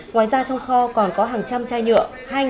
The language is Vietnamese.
ngoài ra trong kho còn có hàng trăm chai nhựa